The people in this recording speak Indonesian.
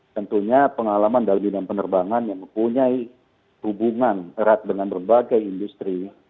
tentunya pengalaman dalam bidang penerbangan yang mempunyai hubungan erat dengan berbagai industri